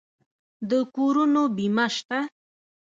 د کورونو بیمه شته؟